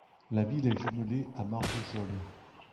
La ville est jumelée à Marvejols.